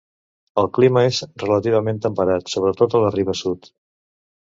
El clima és relativament temperat, sobretot a la riba sud.